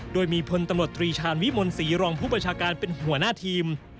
โดยมีพลตำรวจตรีชาญวิมลศรีรองผู้ประชาการเป็นหัวหน้าทีม